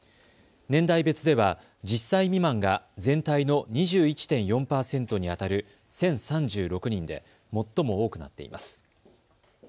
年代別では１０歳未満が全体の２１．４％にあたる１０３６人で最も多くなっています。